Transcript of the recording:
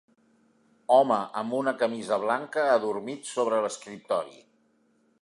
Home amb una camisa blanca adormit sobre l'escriptori.